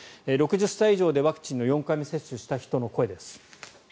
６０歳以上で、ワクチンの４回目接種をした人の声です。